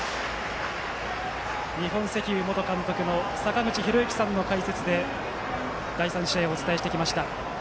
日本石油元監督坂口裕之さんの解説で第３試合をお伝えしてきました。